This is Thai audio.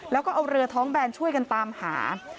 แล้วก็เอาเรือท้องแบนช่วยกันตามหา